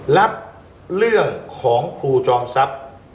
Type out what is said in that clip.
รับเรื่องของครูจอมทรัพย์